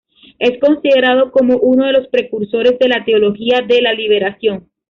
Es considerado como uno de los precursores de la Teología de la Liberación.